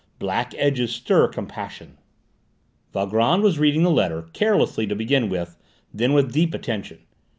Black edges stir compassion." Valgrand was reading the letter, carelessly to begin with, then with deep attention.